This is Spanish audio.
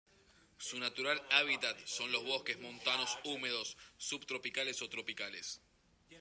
Su natural hábitat son los bosques montanos húmedos subtropicales o tropicales.